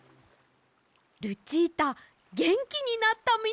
ルチータげんきになったみたいです。